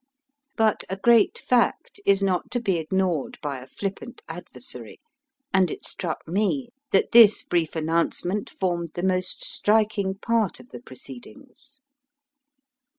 But a great fact is not to be ignored by a flippant adversary, and it struck me that this brief announcement formed the most striking part of the proceed ings.